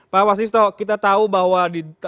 pak wasisto kita tahu bahwa